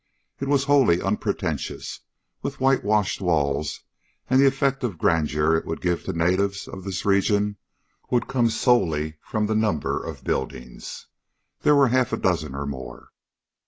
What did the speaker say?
It was wholly unpretentious, with whitewashed walls, and the effect of grandeur it would give to natives of this region would come solely from the number of buildings. There were half a dozen or more.